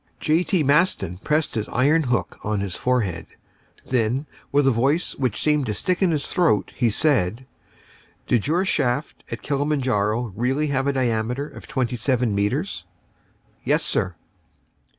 J.T. Maston pressed his iron hook on his forehead. Then, with a voice which seemed to stick in his throat, he said: "Did your shaft at Kilimanjaro really have a diameter of twenty seven metres?" "Yes, sir."